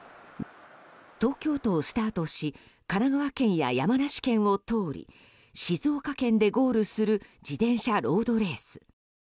東京都をスタートし神奈川県や山梨県を通り静岡県でゴールする自転車ロードレース。